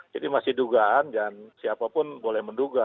jadi masih dugaan dan siapapun boleh menduga